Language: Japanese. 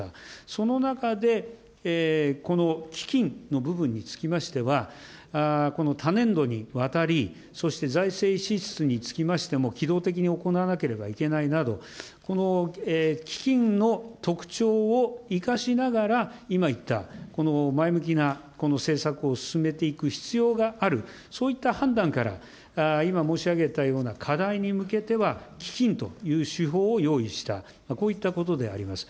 その中で、この基金の部分につきましては、この多年度にわたり、そして財政支出につきましても機動的に行わなければいけないなど、この基金の特徴を生かしながら、今言った、この前向きなこの政策を進めていく必要がある、そういった判断から、今申し上げたような課題に向けては基金という手法を用意した、こういったことであります。